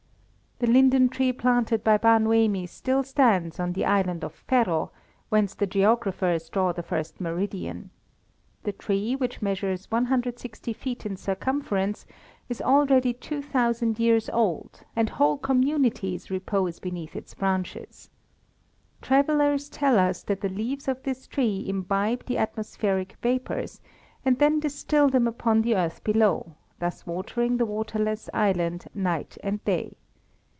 The linden tree planted by Bar Noemi still stands on the island of Ferro, whence the geographers draw the first meridian. The tree, which measures 160 feet in circumference, is already two thousand years old, and whole communities repose beneath its branches. Travellers tell us that the leaves of this tree imbibe the atmospheric vapours, and then distil them upon the earth below, thus watering the waterless island night and day.